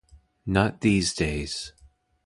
Not these days.